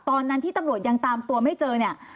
ตอนที่ตำรวจยังตามตัวไม่เจอ